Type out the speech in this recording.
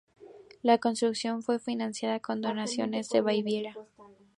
La construcción fue financiada con donaciones de Baviera.